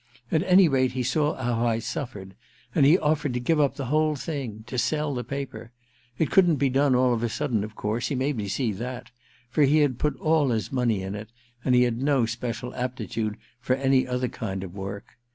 At any rate he saw how I suffered, and he offered to give up the whole thing — to sell the paper. It couldn't be done all of a sudden, of course — he made me see that — for he had put all his money in it, and he had no special aptitude for any other kind of work.